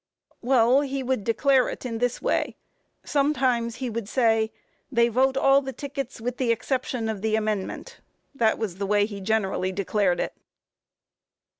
A. Well, he would declare it in this way; sometimes he would say, "They vote all the tickets with the exception of the Amendment;" that is the way he generally declared it.